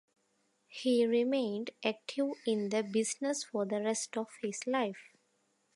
He remained active in the business for the rest of his life.